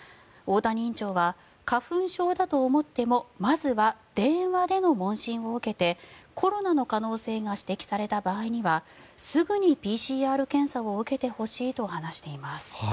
大谷院長は、花粉症だと思ってもまずは電話での問診を受けてコロナの可能性が指摘された場合にはすぐにＰＣＲ検査を受けてほしいと話しています。